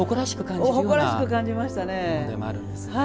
誇らしく感じましたね。